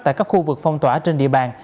tại các khu vực phong tỏa trên địa bàn